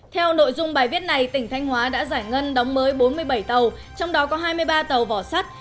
theo nội dung bài viết này tỉnh thanh hóa đã giải ngân đóng mới bốn mươi bảy tàu trong đó có hai mươi ba tàu vỏ sắt